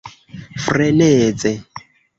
freneze